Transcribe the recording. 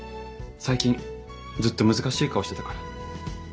最近ずっと難しい顔してたから。